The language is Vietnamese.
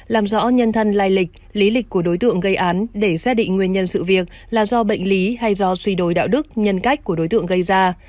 làm rõ nhân thân lai lịch lý lịch của đối tượng gây án để xác định nguyên nhân sự việc là do bệnh lý hay do suy đối đạo đức nhân cách của đối tượng gây ra